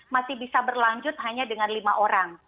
masih bisa berlanjut hanya dengan lima orang